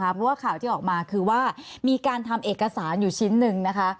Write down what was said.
เพราะว่าข่าวที่ออกมาคือว่ามีการทำเอกสารอยู่ชิ้นหนึ่งนะคะ